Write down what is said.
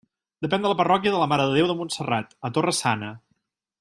Depèn de la parròquia de la Mare de Déu de Montserrat, a Torre-sana.